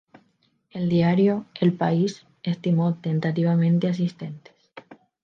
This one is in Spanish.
El diario "El País" estimó tentativamente asistentes.